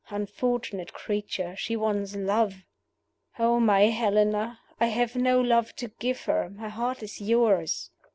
Unfortunate creature, she wants love! "Oh, my Helena! I have no love to give her. My heart is yours.